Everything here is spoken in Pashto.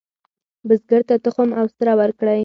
بزګر ته تخم او سره ورکړئ.